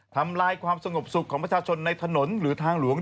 ทำลายความสงบสุขของประชาชนในถนนหรือทางหลวง